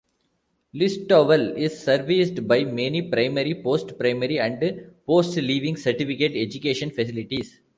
Listowel is serviced by many primary, post-primary and post-leaving certificate education facilities.